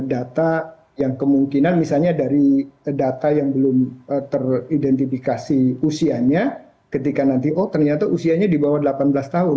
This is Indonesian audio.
data yang kemungkinan misalnya dari data yang belum teridentifikasi usianya ketika nanti oh ternyata usianya di bawah delapan belas tahun